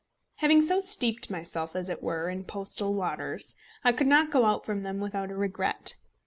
Having so steeped myself, as it were, in postal waters, I could not go out from them without a regret.